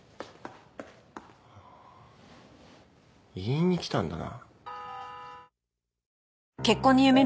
言いに来たんだな。